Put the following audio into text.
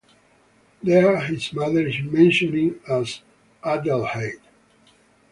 There his mother is mentioned as "Adalheit".